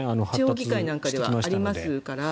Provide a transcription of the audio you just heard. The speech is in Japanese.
中央議会なんかではありますから。